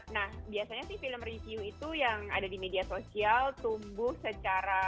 nah biasanya sih film review itu yang ada di media sosial tumbuh secara